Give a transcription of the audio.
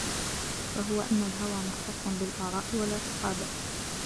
فَهُوَ أَنَّ الْهَوَى مُخْتَصٌّ بِالْآرَاءِ وَالِاعْتِقَادَاتِ